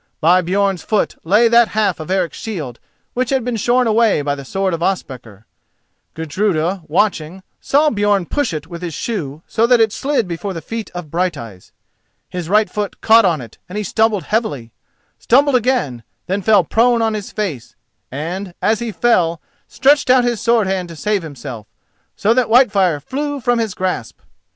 By Björn's foot lay that half of Eric's shield which had been shorn away by the sword of Ospakar. Gudruda, watching, saw Björn push it with his shoe so that it slid before the feet of Brighteyes. His right foot caught on it, he stumbled heavily—stumbled again, then fell prone on his face, and, as he fell, stretched out his sword hand to save himself, so that Whitefire flew from his grasp.